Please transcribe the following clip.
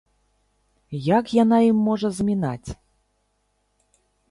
Як яна ім можа замінаць?